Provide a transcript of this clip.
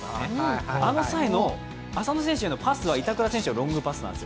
あの際の浅野選手へのパスは板倉選手はロングパスなんです。